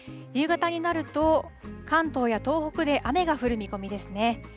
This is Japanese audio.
夕方になると、関東や東北で雨が降る見込みですね。